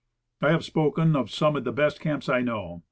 I have spoken of some of the best camps I know.